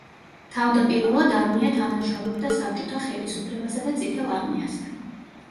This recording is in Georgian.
თავდაპირველად არმია თანამშრომლობდა საბჭოთა ხელისუფლებასა და წითელ არმიასთან.